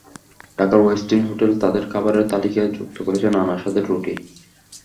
ঢাকার Westin hotel তাদের খাবারের তালিকায় যুক্ত করেছে নানা স্বাদের রুটি।